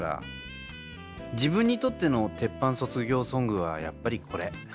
「自分にとっての鉄板卒業ソングはやっぱりこれ。